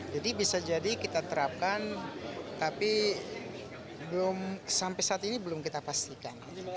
jadi bisa jadi kita terapkan tapi belum sampai saat ini belum kita pastikan